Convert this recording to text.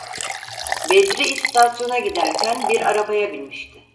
Bedri istasyona giderken bir arabaya binmişti.